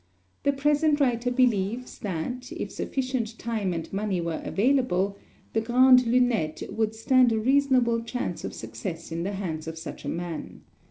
The present writer believes that, if sufficient time and money were available, the Grande Lunette would stand a reasonable chance of success in the hands of such a man.